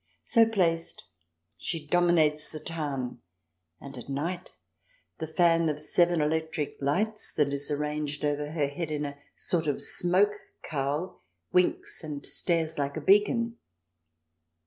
So placed, she dominates the town, and at night the fan of seven electric lights that is arranged over her head in a sort of smoke cowl, winks and stares like a beacon.